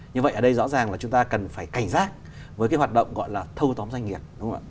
như vậy ở đây rõ ràng là chúng ta cần phải cảnh giác với cái hoạt động gọi là thâu tóm doanh nghiệp